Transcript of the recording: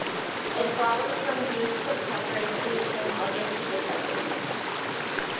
It flowers from June to September and fruits from August to December.